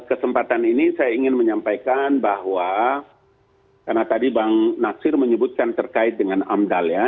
kesempatan ini saya ingin menyampaikan bahwa karena tadi bang nasir menyebutkan terkait dengan amdal ya